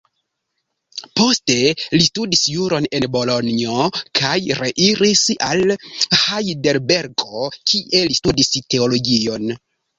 Poste, li studis juron en Bolonjo, kaj reiris al Hajdelbergo kie li studis teologion.